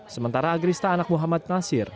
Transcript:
sementara agrista anak muhammad nasir